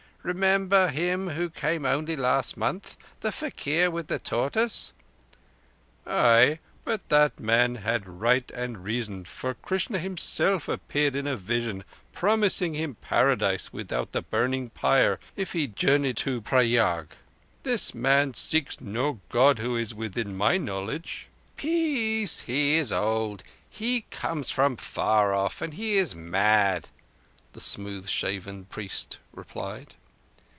Remember him who came only last, month—the faquir with the tortoise?" "Ay, but that man had right and reason, for Krishna Himself appeared in a vision promising him Paradise without the burning pyre if he journeyed to Prayag. This man seeks no God who is within my knowledge." "Peace, he is old: he comes from far off, and he is mad," the smooth shaven priest replied.